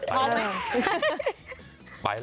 พร้อมไหม